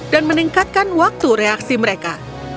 dan meningkatkan waktu reaksi mereka